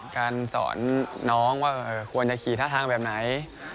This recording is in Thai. การสอนน้องว่าควรจะขี่ท่าทางแบบไหน